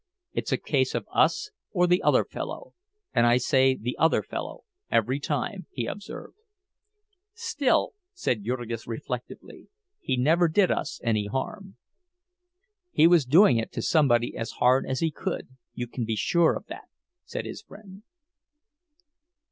"It's a case of us or the other fellow, and I say the other fellow, every time," he observed. "Still," said Jurgis, reflectively, "he never did us any harm." "He was doing it to somebody as hard as he could, you can be sure of that," said his friend.